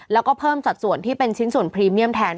แล้วก็เพิ่มสัดส่วนที่เป็นชิ้นส่วนพรีเมียมแทน